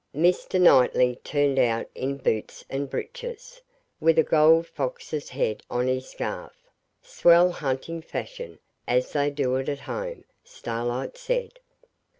Mr. Knightley turned out in boots and breeches, with a gold fox's head on his scarf, swell hunting fashion, as they do it at home, Starlight said.